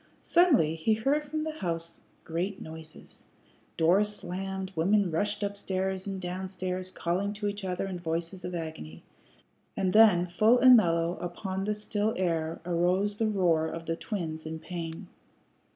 Suddenly he heard from the house great noises. Doors slammed, women rushed up stairs and down stairs calling to each other in voices of agony. And then full and mellow upon the still air arose the roar of the twins in pain.